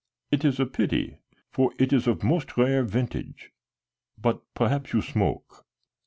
"It is a pity, for it is of most rare vintage. But perhaps you smoke?"